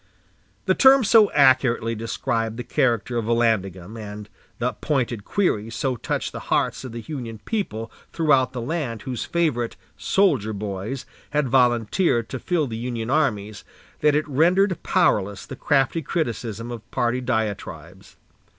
The term so accurately described the character of Vallandigham, and the pointed query so touched the hearts of the Union people throughout the land whose favorite "soldier boys" had volunteered to fill the Union armies, that it rendered powerless the crafty criticism of party diatribes.